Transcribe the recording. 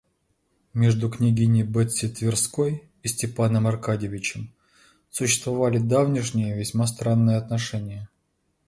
Между княгиней Бетси Тверской и Степаном Аркадьичем существовали давнишние, весьма странные отношения.